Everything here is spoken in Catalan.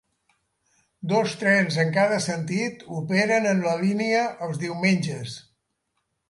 Dos trens en cada sentit operen en la línia els diumenges.